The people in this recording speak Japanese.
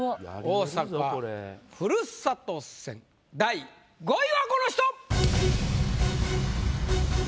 大阪ふるさと戦第５位はこの人！